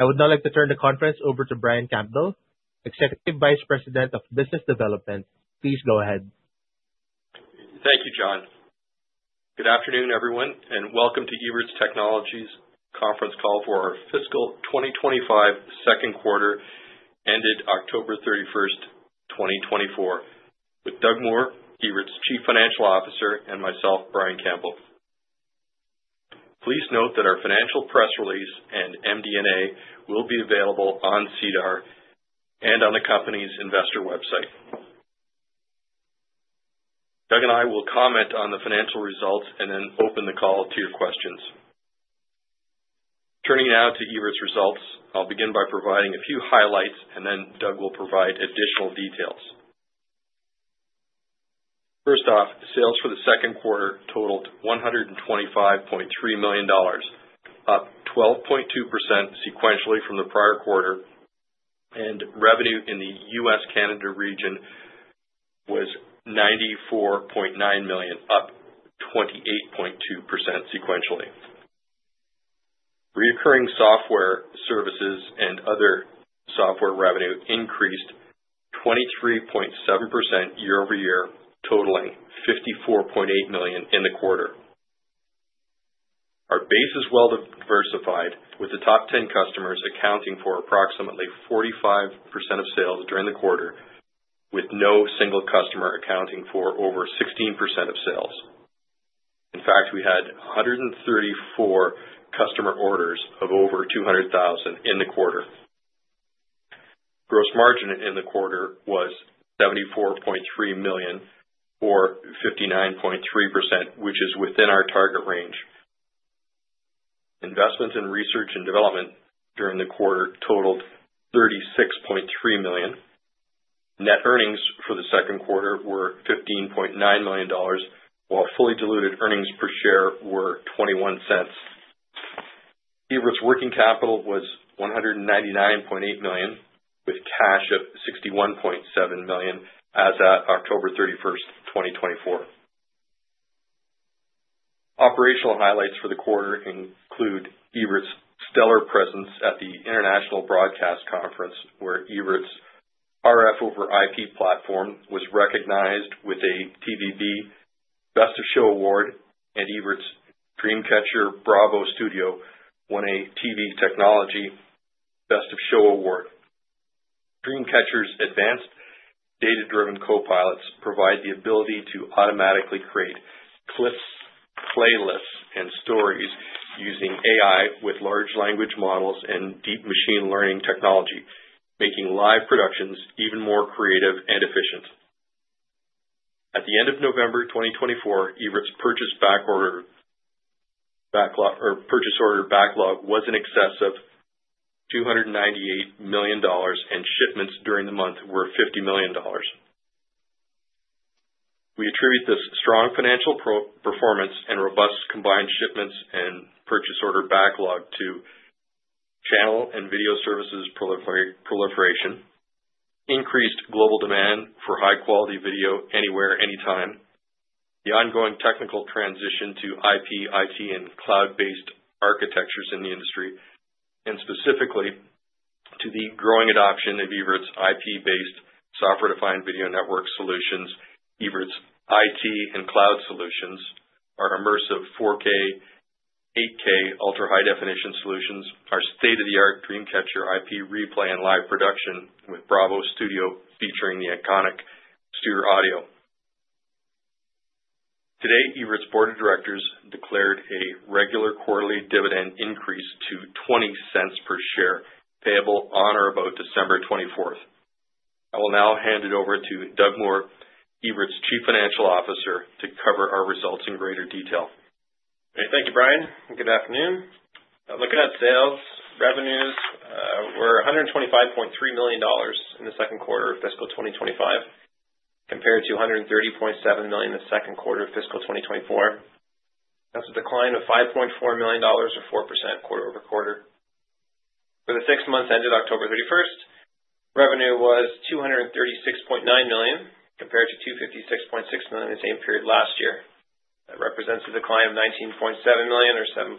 I would now like to turn the conference over to Brian Campbell, Executive Vice President of Business Development. Please go ahead. Thank you, John. Good afternoon, everyone, and welcome to Evertz Technologies' Conference Call for our fiscal 2025 second quarter, ended October 31, 2024, with Doug Moore, Evertz Chief Financial Officer, and myself, Brian Campbell. Please note that our financial press release and MD&A will be available on SEDAR+ and on the company's investor website. Doug and I will comment on the financial results and then open the call to your questions. Turning now to Evertz results, I'll begin by providing a few highlights, and then Doug will provide additional details. First off, sales for the second quarter totaled 125.3 million dollars, up 12.2% sequentially from the prior quarter, and revenue in the U.S. and Canada region was CAD 94.9 million, up 28.2% sequentially. Recurring software services and other software revenue increased 23.7% year over year, totaling 54.8 million in the quarter. Our base is well diversified, with the top 10 customers accounting for approximately 45% of sales during the quarter, with no single customer accounting for over 16% of sales. In fact, we had 134 customer orders of over 200,000 in the quarter. Gross margin in the quarter was 74.3 million, or 59.3%, which is within our target range. Investments in research and development during the quarter totaled 36.3 million. Net earnings for the second quarter were 15.9 million dollars, while fully diluted earnings per share were 0.21. Evertz's working capital was 199.8 million, with cash of 61.7 million as of October 31, 2024. Operational highlights for the quarter include Evertz's stellar presence at the International Broadcasting Convention, where Evertz's RF over IP platform was recognized with a TVBEurope Best of Show Award, and Evertz's DreamCatcher Bravo Studio won a TV Technology Best of Show Award. DreamCatcher's advanced data-driven copilots provide the ability to automatically create clips, playlists, and stories using AI with large language models and deep machine learning technology, making live productions even more creative and efficient. At the end of November 2024, Evertz's purchase order backlog was in excess of 298 million dollars, and shipments during the month were 50 million dollars. We attribute this strong financial performance and robust combined shipments and purchase order backlog to channel and video services proliferation, increased global demand for high-quality video anywhere, anytime, the ongoing technical transition to IP, IT, and cloud-based architectures in the industry, and specifically to the growing adoption of Evertz's IP-based software-defined video network solutions. Evertz's IT and cloud solutions, our immersive 4K, 8K, ultra-high-definition solutions, our state-of-the-art DreamCatcher IP replay and live production with Bravo Studio featuring the iconic Studer Audio. Today, Evertz's board of directors declared a regular quarterly dividend increase to 0.20 per share, payable on or about December 24. I will now hand it over to Doug Moore, Evertz's Chief Financial Officer, to cover our results in greater detail. Thank you, Brian. Good afternoon. Looking at sales revenues, we're 125.3 million dollars in the second quarter of fiscal 2025, compared to 130.7 million in the second quarter of fiscal 2024. That's a decline of 5.4 million dollars, or 4% quarter over quarter. For the six months ended October 31, revenue was 236.9 million, compared to 256.6 million in the same period last year. That represents a decline of 19.7 million, or 7.7%.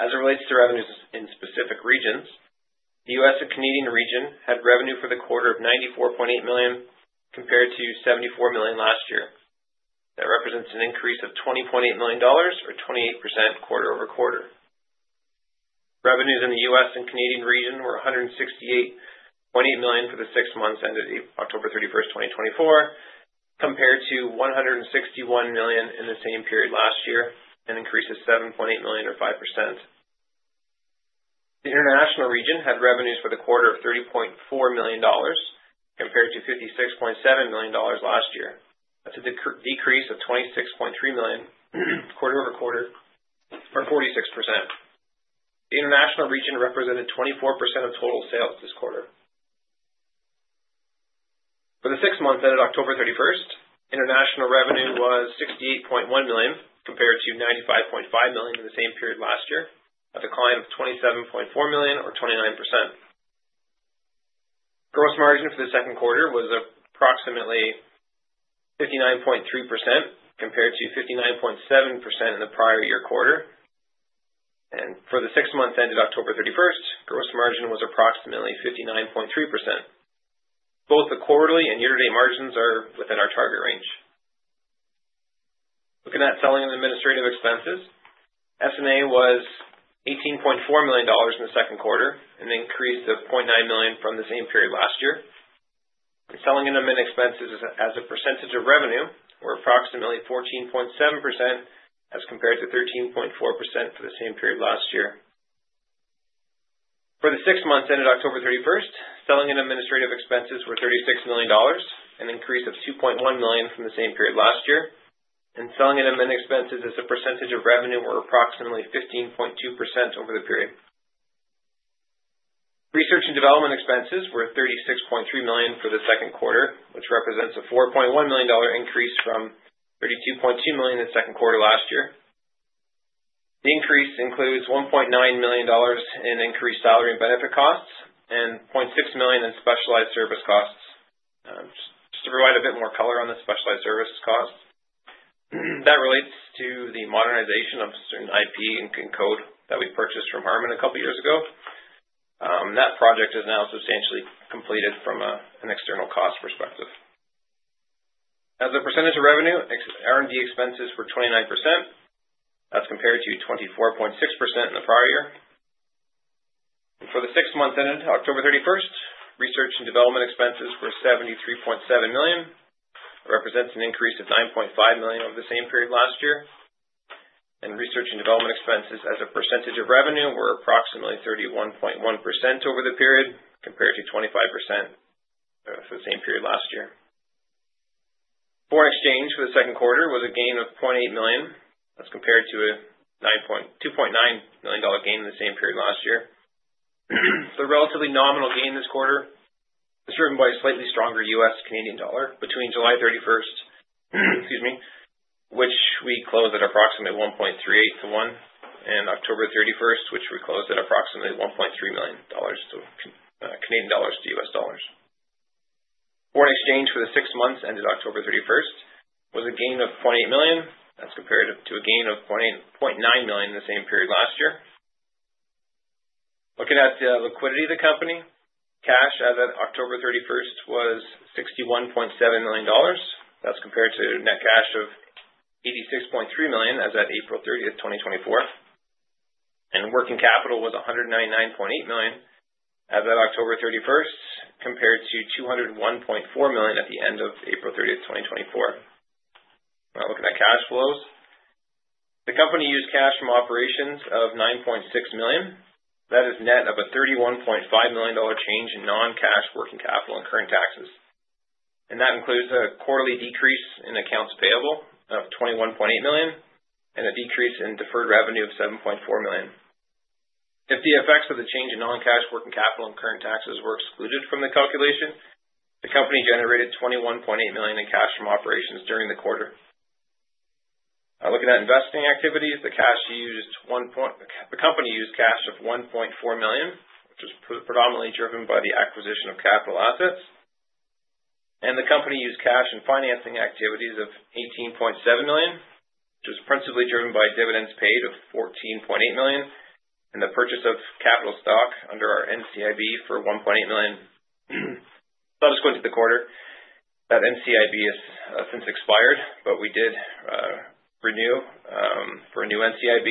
As it relates to revenues in specific regions, the U.S. and Canadian region had revenue for the quarter of 94.8 million, compared to 74 million last year. That represents an increase of 20.8 million dollars, or 28% quarter over quarter. Revenues in the U.S. and Canadian region were 168.8 million for the six months ended October 31, 2024, compared to 161 million in the same period last year, an increase of 7.8 million, or 5%. The international region had revenues for the quarter of 30.4 million dollars, compared to 56.7 million dollars last year. That's a decrease of 26.3 million, quarter over quarter, or 46%. The international region represented 24% of total sales this quarter. For the six months ended October 31, international revenue was 68.1 million, compared to 95.5 million in the same period last year, a decline of 27.4 million, or 29%. Gross margin for the second quarter was approximately 59.3%, compared to 59.7% in the prior year quarter, and for the six months ended October 31, gross margin was approximately 59.3%. Both the quarterly and year-to-date margins are within our target range. Looking at selling and administrative expenses, S&A was 18.4 million dollars in the second quarter, an increase of 0.9 million from the same period last year. And selling and admin expenses, as a percentage of revenue, were approximately 14.7%, as compared to 13.4% for the same period last year. For the six months ended October 31, selling and administrative expenses were 36 million dollars, an increase of 2.1 million from the same period last year. And selling and admin expenses, as a % of revenue, were approximately 15.2% over the period. Research and development expenses were 36.3 million for the second quarter, which represents a 4.1 million dollar increase from 32.2 million in the second quarter last year. The increase includes 1.9 million dollars in increased salary and benefit costs and 0.6 million in specialized service costs. Just to provide a bit more color on the specialized service costs, that relates to the modernization of certain IP and code that we purchased from Harman a couple of years ago. That project is now substantially completed from an external cost perspective. As a percentage of revenue, R&D expenses were 29%. That's compared to 24.6% in the prior year. For the six months ended October 31, research and development expenses were 73.7 million, represents an increase of 9.5 million over the same period last year, and research and development expenses, as a percentage of revenue, were approximately 31.1% over the period, compared to 25% for the same period last year. Foreign exchange for the second quarter was a gain of 0.8 million. That's compared to a 2.9 million dollar gain in the same period last year. The relatively nominal gain this quarter is driven by a slightly stronger U.S. to Canadian dollar between July 31, excuse me, which we closed at approximately 1.38 to 1, and October 31, which we closed at approximately 1.3 to U.S. dollars. Foreign exchange for the six months ended October 31 was a gain of 0.8 million. That's compared to a gain of 0.9 million in the same period last year. Looking at the liquidity of the company, cash as of October 31 was 61.7 million dollars. That's compared to net cash of 86.3 million as of April 30, 2024. And working capital was CAD 199.8 million as of October 31, compared to 201.4 million at the end of April 30, 2024. Now, looking at cash flows, the company used cash from operations of 9.6 million. That is net of a 31.5 million dollar change in non-cash working capital and current taxes. And that includes a quarterly decrease in accounts payable of 21.8 million and a decrease in deferred revenue of 7.4 million. If the effects of the change in non-cash working capital and current taxes were excluded from the calculation, the company generated 21.8 million in cash from operations during the quarter. Looking at investing activities, the company used cash of 1.4 million, which was predominantly driven by the acquisition of capital assets. The company used cash in financing activities of 18.7 million, which was principally driven by dividends paid of 14.8 million. The purchase of capital stock under our NCIB for 1.8 million subsequent to the quarter. That NCIB has since expired, but we did renew for a new NCIB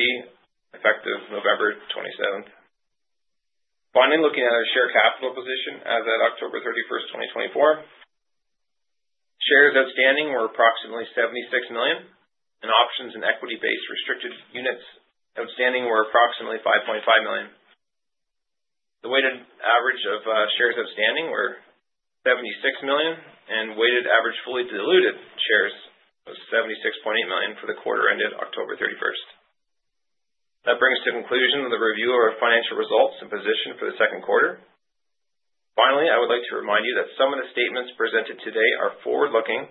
effective November 27. Finally, looking at our share capital position as of October 31, 2024, shares outstanding were approximately 76 million, and options and equity-based restricted units outstanding were approximately 5.5 million. The weighted average of shares outstanding were 76 million, and weighted average fully diluted shares was 76.8 million for the quarter ended October 31. That brings us to the conclusion of the review of our financial results and position for the second quarter. Finally, I would like to remind you that some of the statements presented today are forward-looking,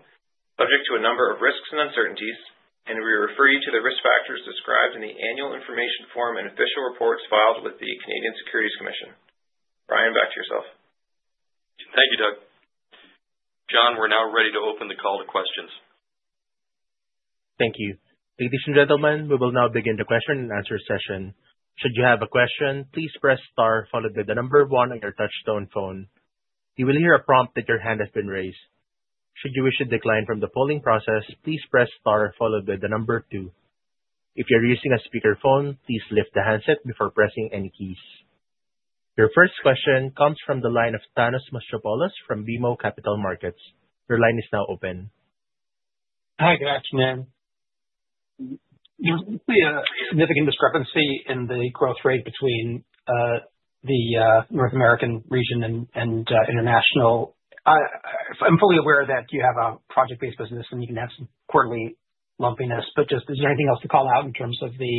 subject to a number of risks and uncertainties, and we refer you to the risk factors described in the annual information form and official reports filed with the Canadian Securities Administrators. Brian, back to yourself. Thank you, Doug. John, we're now ready to open the call to questions. Thank you. Ladies and gentlemen, we will now begin the question and answer session. Should you have a question, please press star followed by the number one on your touch-tone phone. You will hear a prompt that your hand has been raised. Should you wish to decline from the polling process, please press star followed by the number two. If you're using a speakerphone, please lift the handset before pressing any keys. Your first question comes from the line of Thanos Moschopoulos from BMO Capital Markets. Your line is now open. Hi, good afternoon. There's a significant discrepancy in the growth rate between the North American region and international. I'm fully aware that you have a project-based business, and you can have some quarterly lumpiness, but, just, is there anything else to call out in terms of the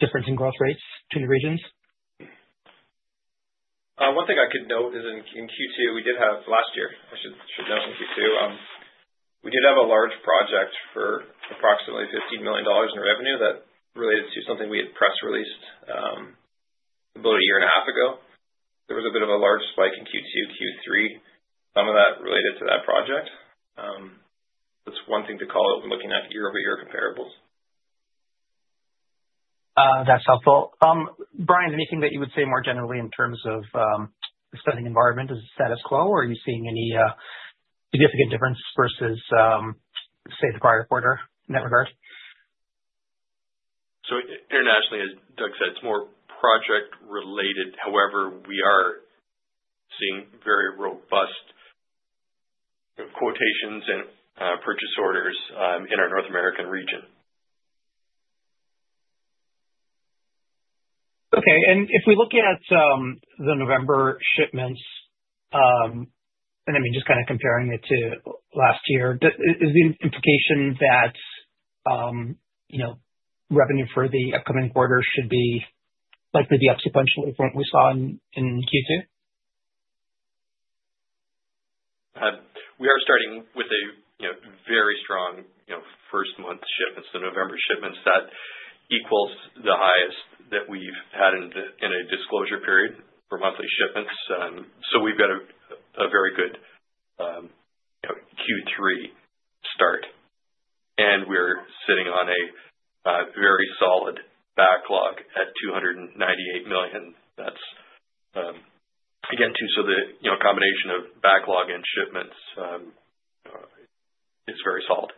difference in growth rates between the regions? One thing I could note is in Q2 last year, we did have a large project for approximately 15 million dollars in revenue that related to something we had press released about a year and a half ago. There was a bit of a large spike in Q2, Q3, some of that related to that project. That's one thing to call out when looking at year-over-year comparables. That's helpful. Brian, anything that you would say more generally in terms of the spending environment as status quo, or are you seeing any significant difference versus, say, the prior quarter in that regard? So internationally, as Doug said, it's more project-related. However, we are seeing very robust quotations and purchase orders in our North American region. Okay. And if we look at the November shipments, and I mean, just kind of comparing it to last year, is the implication that revenue for the upcoming quarter should be likely to be up sequentially from what we saw in Q2? We are starting with a very strong first-month shipments, the November shipments, that equals the highest that we've had in a disclosure period for monthly shipments. So we've got a very good Q3 start, and we're sitting on a very solid backlog at 298 million. That's, again, true, so the combination of backlog and shipments is very solid.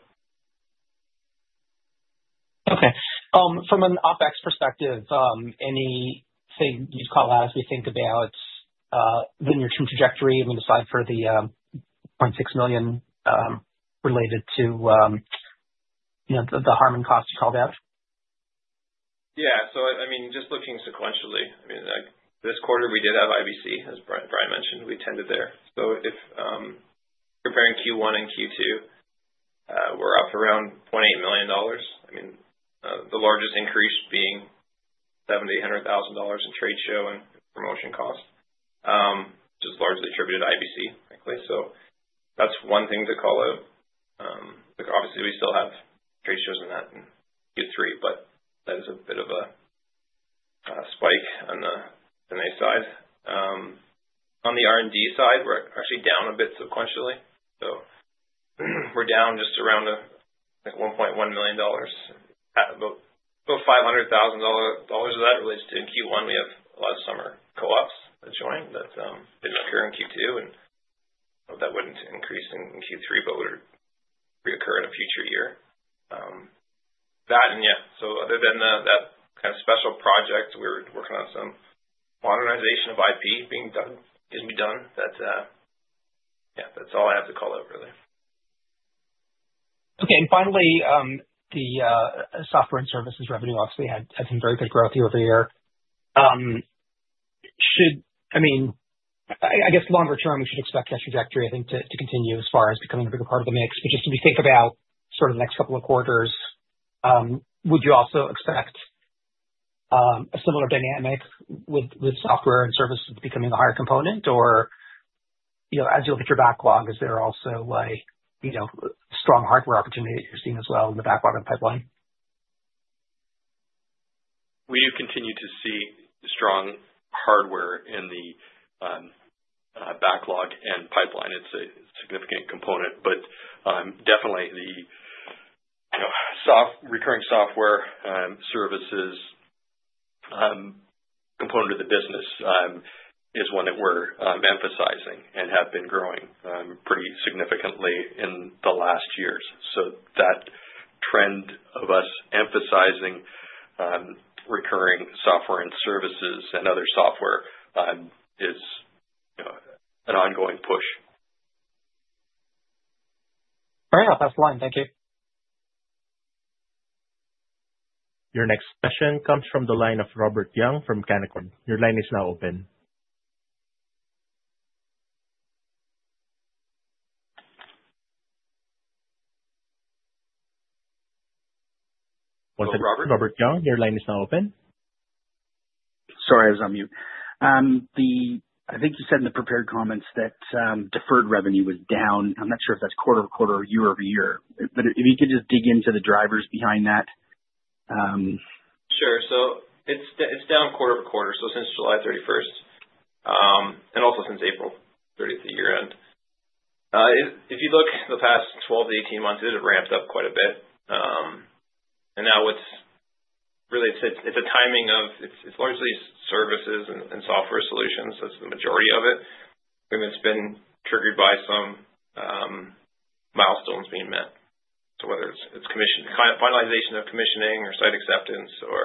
Okay. From an OpEx perspective, anything you'd call out as we think about the near-term trajectory, I mean, aside for the 0.6 million related to the Harman costs you called out? Yeah. So I mean, just looking sequentially, I mean, this quarter we did have IBC, as Brian mentioned. We attended there. So if comparing Q1 and Q2, we're up around 0.8 million dollars. I mean, the largest increase being 7,800,000 dollars in trade show and promotion costs, which is largely attributed to IBC, frankly. So that's one thing to call out. Obviously, we still have trade shows in that in Q3, but that is a bit of a spike on the NA side. On the R&D side, we're actually down a bit sequentially. So we're down just around 1.1 million dollars. About 500,000 dollars of that relates to Q1. We have a lot of summer co-ops that join that didn't occur in Q2, and that wouldn't increase in Q3, but would reoccur in a future year. That, and yeah. So, other than that kind of special project, we're working on some modernization of IP being done. Yeah, that's all I have to call out really. Okay. And finally, the software and services revenue, obviously, had some very good growth year over year. I mean, I guess longer term, we should expect that trajectory, I think, to continue as far as becoming a bigger part of the mix. But just if we think about sort of the next couple of quarters, would you also expect a similar dynamic with software and services becoming a higher component, or as you look at your backlog, is there also a strong hardware opportunity that you're seeing as well in the backlog and pipeline? We do continue to see strong hardware in the backlog and pipeline. It's a significant component, but definitely, the recurring software services component of the business is one that we're emphasizing and have been growing pretty significantly in the last years, so that trend of us emphasizing recurring software and services and other software is an ongoing push. Brian, I'll pass the line. Thank you. Your next question comes from the line of Robert Young from Canaccord Genuity. Your line is now open. Robert? Robert Young, your line is now open. Sorry, I was on mute. I think you said in the prepared comments that deferred revenue was down. I'm not sure if that's quarter over quarter or year over year. But if you could just dig into the drivers behind that. Sure, so it's down quarter over quarter, so since July 31, and also since April 30 year-end. If you look at the past 12-18 months, it has ramped up quite a bit, and now it's the timing of it. It's largely services and software solutions. That's the majority of it. It's been triggered by some milestones being met, so whether it's finalization of commissioning or site acceptance, or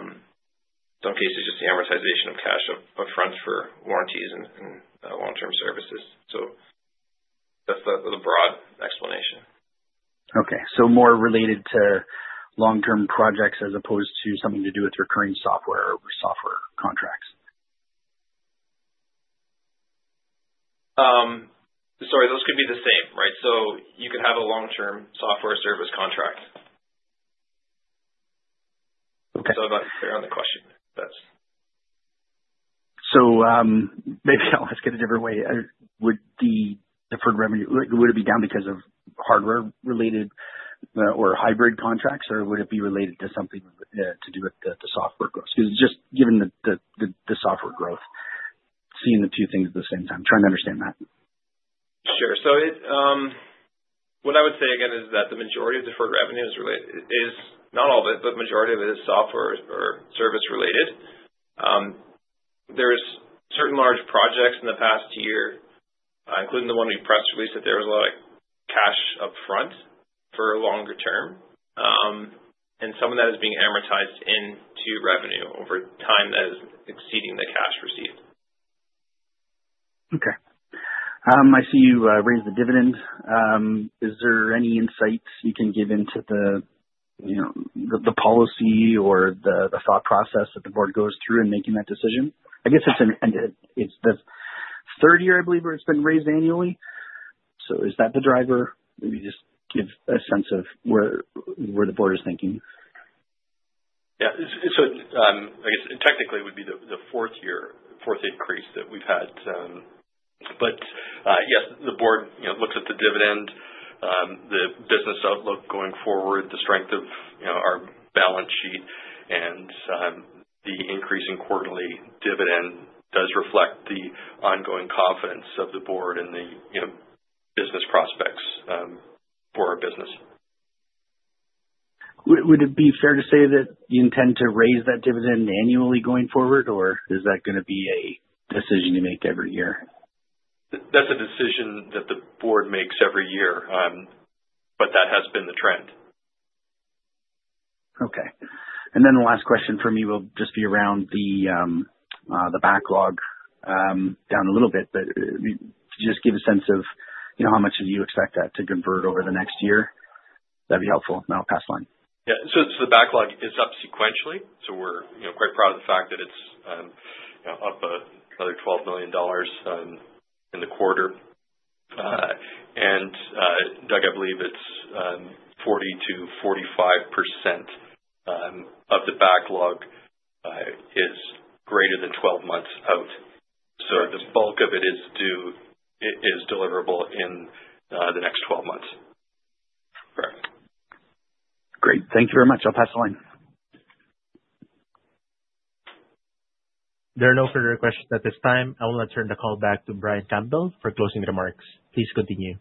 in some cases, just the amortization of cash upfront for warranties and long-term services, so that's the broad explanation. Okay, so more related to long-term projects as opposed to something to do with recurring software or software contracts. Sorry, those could be the same, right? So you could have a long-term software service contract. So I'm not clear on the question. So maybe I'll ask it a different way. Would the deferred revenue, would it be down because of hardware-related or hybrid contracts, or would it be related to something to do with the software growth? Because just given the software growth, seeing the two things at the same time, trying to understand that. Sure. So what I would say again is that the majority of deferred revenue is not all of it, but the majority of it is software or service-related. There's certain large projects in the past year, including the one we press released, that there was a lot of cash upfront for a longer term. And some of that is being amortized into revenue over time that is exceeding the cash received. Okay. I see you raised the dividend. Is there any insights you can give into the policy or the thought process that the board goes through in making that decision? I guess it's the third year, I believe, where it's been raised annually. So is that the driver? Maybe just give a sense of where the board is thinking. Yeah. So I guess technically, it would be the fourth year, fourth increase that we've had. But yes, the board looks at the dividend, the business outlook going forward, the strength of our balance sheet, and the increase in quarterly dividend does reflect the ongoing confidence of the board and the business prospects for our business. Would it be fair to say that you intend to raise that dividend annually going forward, or is that going to be a decision you make every year? That's a decision that the board makes every year, but that has been the trend. Okay. And then the last question for me will just be around the backlog down a little bit, but just give a sense of how much do you expect that to convert over the next year? That'd be helpful. Now I'll pass the line. Yeah. So the backlog is up sequentially. So we're quite proud of the fact that it's up another CAD 12 million in the quarter. And Doug, I believe it's 40%-45% of the backlog is greater than 12 months out. So the bulk of it is deliverable in the next 12 months. Correct. Great. Thank you very much. I'll pass the line. There are no further questions at this time. I will now turn the call back to Brian Campbell for closing remarks. Please continue.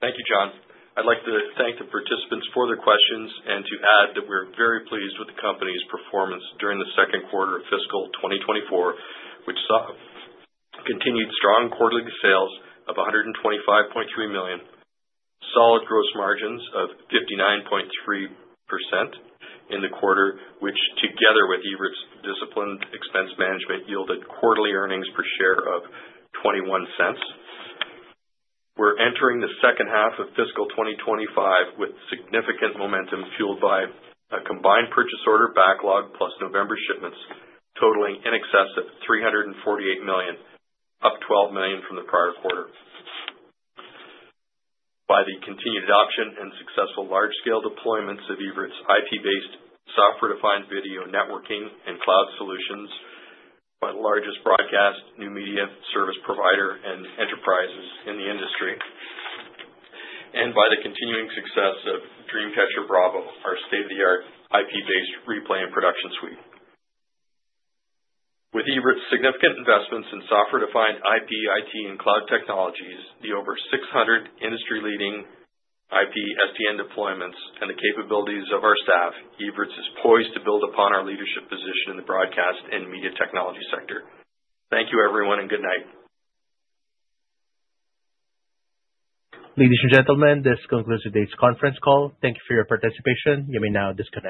Thank you, John. I'd like to thank the participants for their questions and to add that we're very pleased with the company's performance during the second quarter of fiscal 2024, which saw continued strong quarterly sales of 125.3 million, solid gross margins of 59.3% in the quarter, which together with Evertz's disciplined expense management yielded quarterly earnings per share of 0.21. We're entering the second half of fiscal 2025 with significant momentum fueled by a combined purchase order backlog plus November shipments totaling in excess of 348 million, up 12 million from the prior quarter. By the continued adoption and successful large-scale deployments of Evertz's IP-based software-defined video networking and cloud solutions by the largest broadcast new media service provider and enterprises in the industry, and by the continuing success of DreamCatcher Bravo, our state-of-the-art IP-based replay and production suite. With Evertz's significant investments in software-defined IP, IT, and cloud technologies, the over 600 industry-leading IP SDN deployments, and the capabilities of our staff, Evertz is poised to build upon our leadership position in the broadcast and media technology sector. Thank you, everyone, and good night. Ladies and gentlemen, this concludes today's conference call. Thank you for your participation. You may now disconnect.